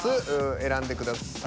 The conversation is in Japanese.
選んでください。